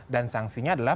dan sanksinya adalah